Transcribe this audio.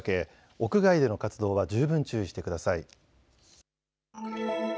屋外での活動は十分注意してください。